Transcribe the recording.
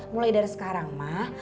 mulai dari sekarang mah